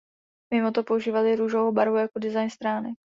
Mimoto používaly růžovou barvu jako design stránek.